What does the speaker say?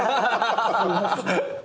すいません。